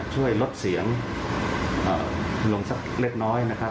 ช่วยลดเสียงลงสักเล็กน้อยนะครับ